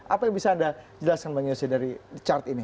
apa yang bisa anda jelaskan bang yose dari chart ini